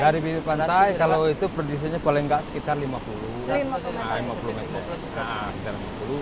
dari bibir pantai kalau itu perdisinya paling tidak sekitar lima puluh meter